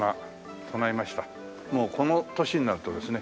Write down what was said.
もうこの年になるとですね